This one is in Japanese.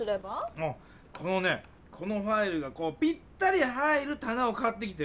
おっこのねこのファイルがぴったり入るたなを買ってきて。